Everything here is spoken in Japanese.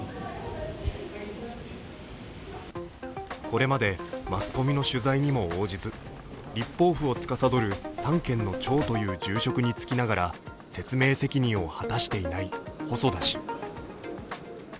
これまでマスコミの取材にも応じず立法府をつかさどる三権の長という重職に就きながら説明責任を果たしていない細田氏。